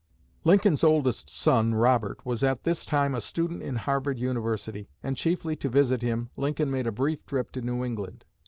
Lincoln's oldest son, Robert, was at this time a student in Harvard University, and, chiefly to visit him, Lincoln made a brief trip to New England.